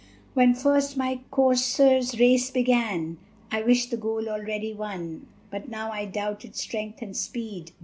When first my courser's race begun, I wished the goal already won; But now I doubted strength and speed.